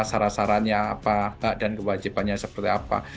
syarah syarahnya apa dan kewajibannya seperti apa